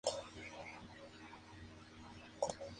Wii balance Board en la rehabilitación del equilibrio